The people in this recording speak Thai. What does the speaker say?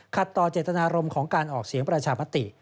ต่อเจตนารมณ์ของการออกเสียงประชามติ